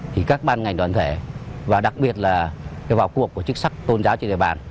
thì các ban ngành đoàn thể và đặc biệt là vào cuộc của chức sắc tôn giáo trên địa bàn